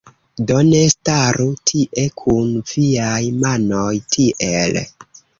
Do ne staru tie kun viaj manoj tiel